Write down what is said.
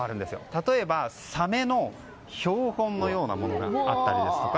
例えばサメの標本のようなものがあったりですとか